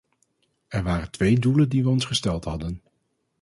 Er waren twee doelen die wij ons gesteld hadden.